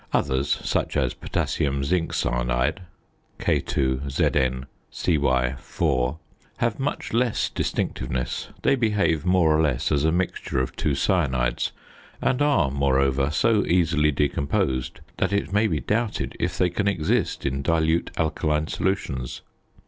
Others, such as potassium zinc cyanide (K_ZnCy_), have much less distinctiveness: they behave more or less as a mixture of two cyanides and are, moreover, so easily decomposed that it may be doubted if they can exist in dilute alkaline solutions.